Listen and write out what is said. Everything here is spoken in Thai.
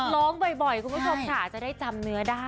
ร้องบ่อยก็จะได้จำเนื้อได้